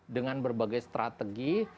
dengan berbagai strategi